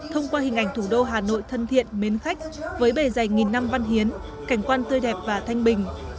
thông qua hình ảnh thủ đô hà nội thân thiện mến khách với bề dày nghìn năm văn hiến cảnh quan tươi đẹp và thanh bình